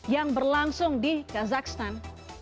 yang berlangsung di kazakhstan